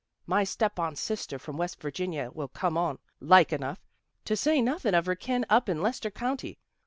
My step aunt's sister from West Virginia will come on, like enough, to say nothin' of her kin up in Lester County.